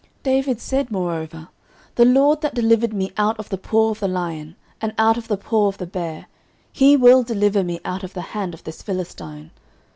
09:017:037 David said moreover, The LORD that delivered me out of the paw of the lion, and out of the paw of the bear, he will deliver me out of the hand of this Philistine.